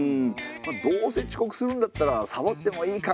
どうせ遅刻するんだったらサボってもいいか！